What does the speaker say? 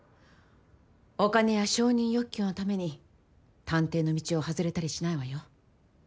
お金や承認欲求のために探偵の道を外れたりしないわよ。